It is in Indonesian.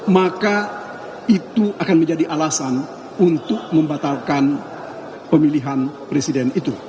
maka itu akan menjadi alasan untuk membatalkan pemilihan presiden itu